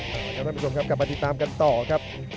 ท่านผู้ชมครับกลับมาติดตามกันต่อครับ